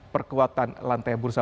perkuatan lantai bursa